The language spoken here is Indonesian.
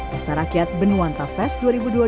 pesta rakyat benuanta fest dua ribu dua puluh